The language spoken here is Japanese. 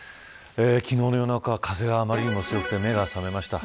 昨日の夜中、風があまりにも強くて目が覚めました。